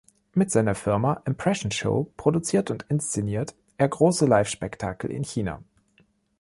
Mit seiner Firma "Impression Show" produziert und inszeniert er große Live-Spektakel in China.